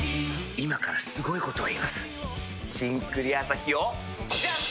今からすごいこと言います「新・クリアアサヒ」をジャン！